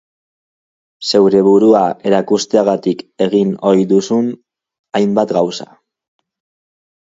Zeure burua erakusteagatik egin ohi duzun hainbat gauza.